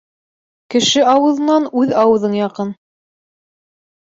Кеше ауыҙынан үҙ ауыҙың яҡын.